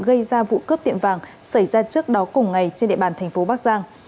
gây ra vụ cướp tiệm vàng xảy ra trước đó cùng ngày trên địa bàn tp bắc giang